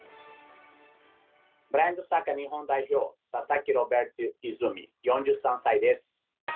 ブラインドサッカー日本代表佐々木ロベルト泉、４３歳です。